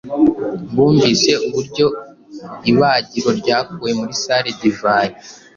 Bumvise uburyo ibagiro ryakuwe muri salle divayi